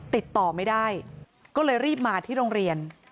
ติดต่อไม่ได้ก็เลยรีบมาที่โรงเรียน